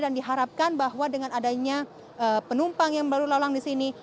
dan diharapkan bahwa dengan adanya penumpang yang baru lalang di sini